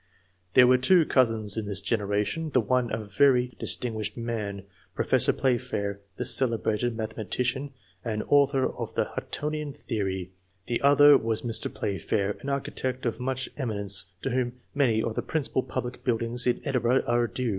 There were two cousins in this generation, the one a very distinguished man, Professor Playfair, the celebrated mathematician, and author of the ^'Huttonian Theory,'' the other was Mr. FlayfEur, an architect of much eminence. I.] ANTECEDENTS, 57 to whom many of the principal public buildings in Edinburgh are due.